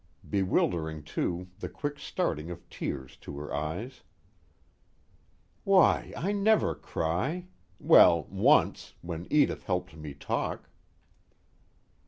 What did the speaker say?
Bewildering too the quick starting of tears to her eyes. _Why, I never cry. Well once, when Edith helped me talk.